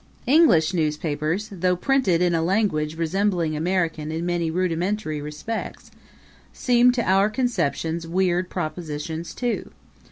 English newspapers, though printed in a language resembling American in many rudimentary respects, seem to our conceptions weird propositions, too.